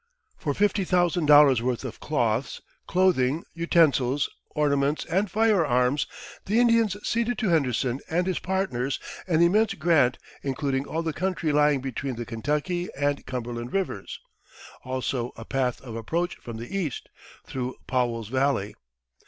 For $50,000 worth of cloths, clothing, utensils, ornaments, and firearms, the Indians ceded to Henderson and his partners an immense grant including all the country lying between the Kentucky and Cumberland Rivers, also a path of approach from the east, through Powell's Valley.